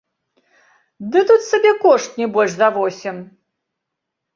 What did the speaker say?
Ды тут сабекошт не больш за восем!